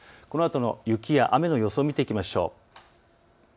このあとの雪や雨の予想を見ていきましょう。